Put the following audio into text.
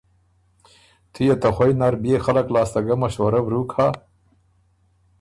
تُو يې ته خوئ نر بيې خلق لاسته ګه مشورۀ ورُوک هۀ؟